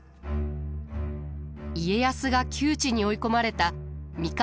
家康が窮地に追い込まれた三河